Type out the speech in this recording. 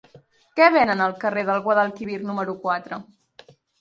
Què venen al carrer del Guadalquivir número quatre?